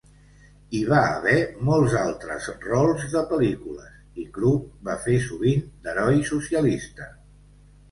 Hi va haver molts altres rols de pel·lícules, i Krug va fer sovint d'heroi socialista.